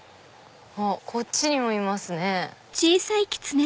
こっちにもいますね。